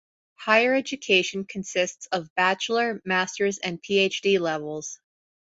Higher education consists of bachelor, masters, and PhD levels.